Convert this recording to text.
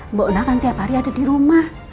mbok nah kan tiap hari ada di rumah